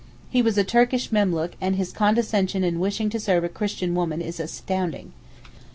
He was a Turkish memlook and his condescension in wishing to serve a Christian woman is astounding.